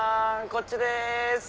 こっちです。